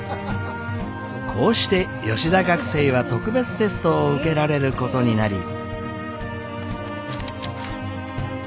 こうして吉田学生は特別テストを受けられることになり。